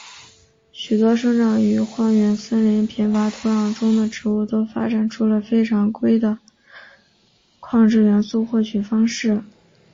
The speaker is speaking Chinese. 许多生长于荒原森林贫乏土壤中的植物都发展出了非常规的矿质元素获取方式。